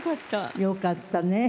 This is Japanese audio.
よかったね。